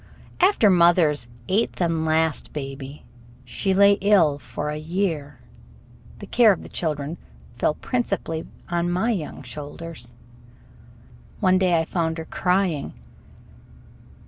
After mother's eighth and last baby, she lay ill for a year. The care of the children fell principally on my young shoulders. One day I found her crying.